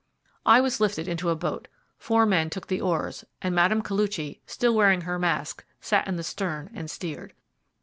I was lifted into a boat. Four men took the oars, and Madame Koluchy, still wearing her mask, sat in the stern and steered.